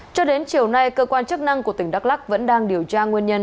cho đến chiều nay cơ quan chức năng của tỉnh đắk lắc vẫn đang điều tra nguyên nhân